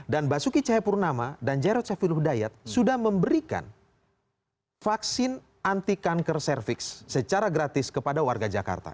basuki cahayapurnama dan jarod saiful hudayat sudah memberikan vaksin anti kanker cervix secara gratis kepada warga jakarta